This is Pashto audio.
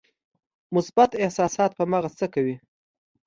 مثبت احساسات په مغز څه کوي؟